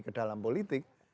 ke dalam politik